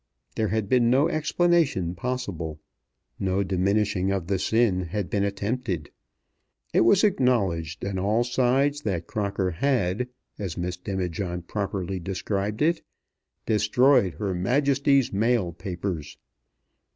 There had been no explanation possible. No diminishing of the sin had been attempted. It was acknowledged on all sides that Crocker had, as Miss Demijohn properly described it, destroyed Her Majesty's Mail papers.